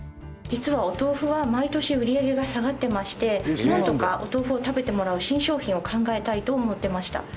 実はお豆腐は毎年売り上げが下がってまして何とかお豆腐を食べてもらう新商品を考えたいと思ってました